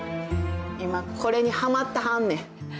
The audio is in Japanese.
今これにハマってはんねん。